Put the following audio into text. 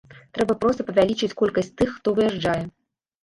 Трэба проста павялічыць колькасць тых, хто выязджае.